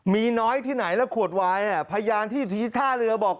มีน้อยที่ไหนแล้วขวดวายพยานที่ท่าเรือบอก